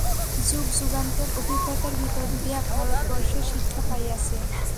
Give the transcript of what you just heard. যুগ-যুগান্তের অভিজ্ঞতার ভিতর দিয়া ভারতবর্ষ শিক্ষা পাইয়াছে।